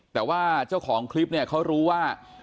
แต่ว่าเจ้าของคลิปเนี่ยเขารู้ว่า